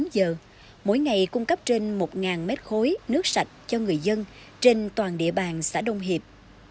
một mươi tám giờ mỗi ngày cung cấp trên một mét khối nước sạch cho người dân trên toàn địa bàn xã đông hiệp